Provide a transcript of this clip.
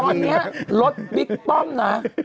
ตอนนี้รถบิ๊กป้อมนะ